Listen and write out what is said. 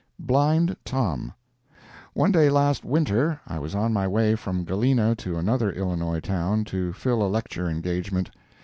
Blind Tom. One day last winter I was on my way from Galena to another Illinois town to fill a lecture engagement.